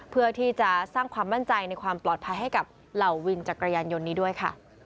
เพื่อที่จะสร้างความมั่นใจในความปลอดภัยให้กับเหล่าวินจักรยานยนต์นี้ด้วยค่ะ